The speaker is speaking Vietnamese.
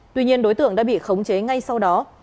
tuy nhiên đối tượng đã bị khống chế ngay sau đó